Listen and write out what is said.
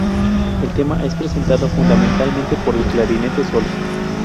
El tema es presentado fundamentalmente por el clarinete solo.